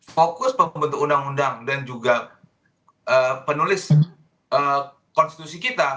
fokus pembentuk undang undang dan juga penulis konstitusi kita